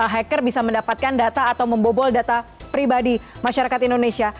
hacker bisa mendapatkan data atau membobol data pribadi masyarakat indonesia